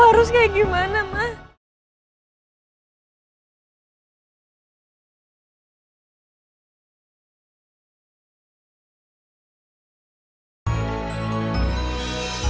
pasti anda menerlukanansa